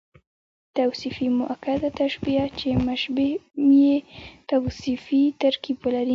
توصيفي مؤکده تشبیه، چي مشبه به ئې توصیفي ترکيب ولري.